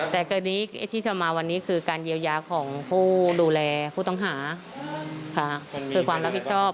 แต่กรณีที่จะมาวันนี้คือการเยียวยาของผู้ดูแลผู้ต้องหาค่ะคือความรับผิดชอบ